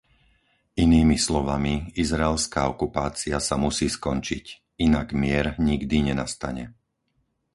Inými slovami, izraelská okupácia sa musí skončiť. Inak mier nikdy nenastane.